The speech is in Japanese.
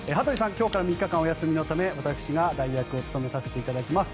今日から３日間お休みのため私が代役を務めさせていただきます。